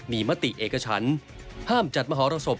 มีมติเอกฉันห้ามจัดมหรสบ